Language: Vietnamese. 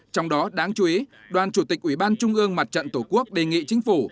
trong đó đáng chú ý đoàn chủ tịch ủy ban trung ương mặt trận tổ quốc đề nghị chính phủ